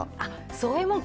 そういうもんか。